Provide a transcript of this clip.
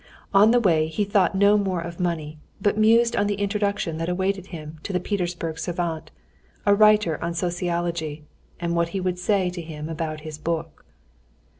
On the way he thought no more of money, but mused on the introduction that awaited him to the Petersburg savant, a writer on sociology, and what he would say to him about his book.